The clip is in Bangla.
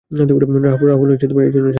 রাহুল, এই জন্য ছাড়ছি।